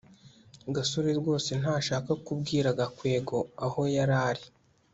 gasore rwose ntashaka kubwira gakwego aho yari ari